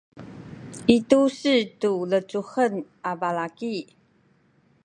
i tu-se tu lecuhen a balaki